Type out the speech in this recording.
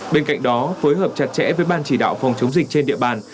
bên cạnh đó phối hợp chặt chẽ với ban chỉ đạo phòng chống dịch trên địa bàn